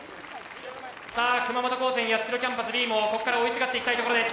さあ熊本高専八代キャンパスＢもここから追いすがっていきたいところです。